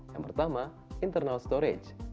yang pertama internal storage